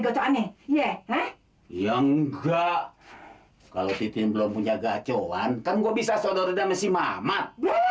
gacoran ya ya nggak kalau titin belum punya gacoran kan gua bisa sodor dan masih mamat